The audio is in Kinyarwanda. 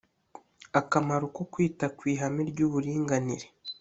akamaro ko kwita ku ihame ry uburinganire